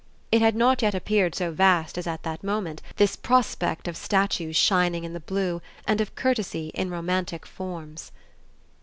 It had not yet appeared so vast as at that moment, this prospect of statues shining in the blue and of courtesy in romantic forms.